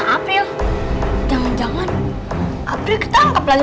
apa sih apa sih